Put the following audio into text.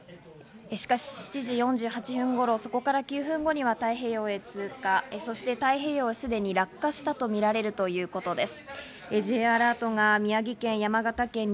しかし７時４８分頃、そこから９分後には太平洋へ通過、そして太平洋へすでに落下したとみられるということです。